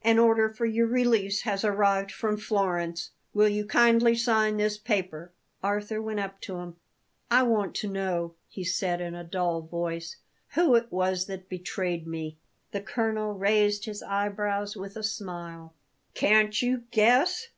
An order for your release has arrived from Florence. Will you kindly sign this paper?" Arthur went up to him. "I want to know," he said in a dull voice, "who it was that betrayed me." The colonel raised his eyebrows with a smile. "Can't you guess?